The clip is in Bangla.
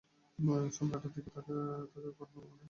সম্রাটের দিকে তাক করব মানে?